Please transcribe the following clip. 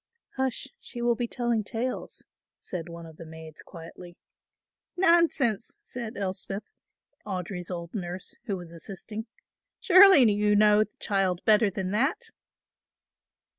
"Hush, she will be telling tales," said one of the maids quietly. "Nonsense," said Elspeth, Audry's old nurse, who was assisting, "surely you know the child better than that."